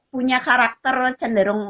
punya karakter cenderung